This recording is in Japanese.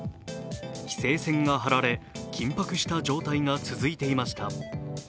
規制線がはられ、緊迫した状態が続いていました。